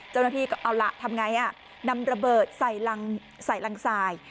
เจ้าหน้าที่ก็เอาล่ะทำไงนำระเบิดใส่รังสาย